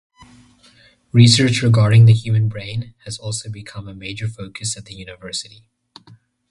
Research regarding the human brain has also become a major focus at the university.